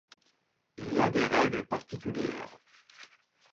Il y a des règles particulières.